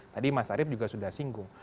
tadi mas arief juga sudah singgung